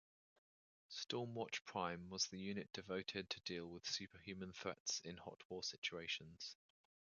StormWatch Prime was the unit devoted to deal with superhuman threats in hotwar situations.